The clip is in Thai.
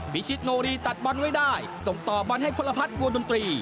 พิชิตโนรีตัดบอลไว้ได้ส่งต่อบอลให้พลพัฒน์วงดนตรี